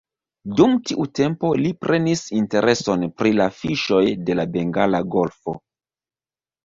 Dum tiu tempo li prenis intereson pri la fiŝoj de la Bengala Golfo.